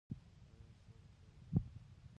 آیا سوله خیر ده؟